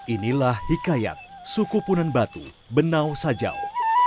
inilah hikayat suku punan batu benau sajau